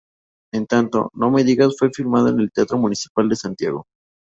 En tanto, "No me digas" fue filmado en el Teatro Municipal de Santiago.